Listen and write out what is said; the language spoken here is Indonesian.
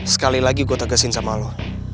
sekali lagi gue tegasin sama lo